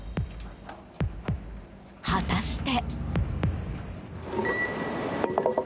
果たして。